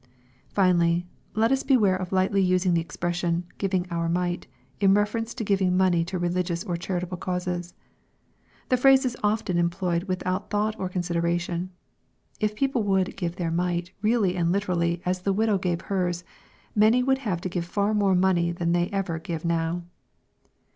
Finally, let us beware of lightly using the expression " giving our mite," in reference to giving money to religious or charitable causes. The phrase is often employed without thought or consid eration. If people would "give their mite" really and literally as the widow gave her's, many would have to give far more money than they ever give now.